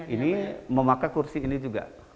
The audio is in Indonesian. ini memakai kursi ini juga